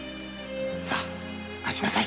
さぁ立ちなさい。